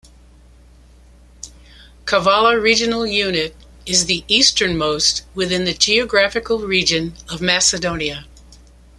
Kavala regional unit is the easternmost within the geographical region of Macedonia.